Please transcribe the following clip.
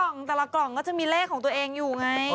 นี่ของแต่ละกล่องเกี่ยวกันก็จะมีเลขของตัวเองอยู่ไง